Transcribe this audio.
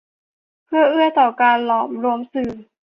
เพื่อเอื้อต่อการหลอมรวมสื่อ